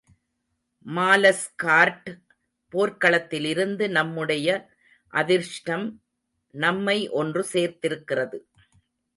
மாலஸ்கார்ட் போர்க்களத்திலிருந்து நம்முடைய அதிர்ஷ்டம் நம்மை ஒன்று சேர்த்திருக்கிறது.